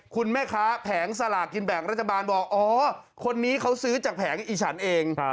คุณแม่ค้าแผงสลากกินแบ่งรัฐบาลบอกอ๋อคนนี้เขาซื้อจากแผงอีฉันเอง